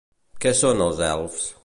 Què són els elfs?